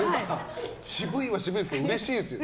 渋いは渋いですけどうれしいですよね。